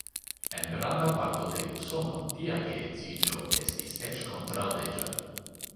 En granda parto de Usono tia geedziĝo estis eĉ kontraŭleĝa.